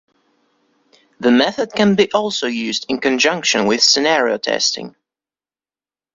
The method can also be used in conjunction with scenario testing.